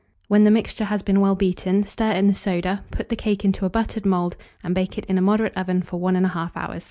When the mixture has been well beaten, stir in the soda, put the cake into a buttered mould, and bake it in a moderate oven for 1 1/2 hour.